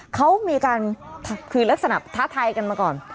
เขามีการคือลักษณะท้าทายกันมาก่อน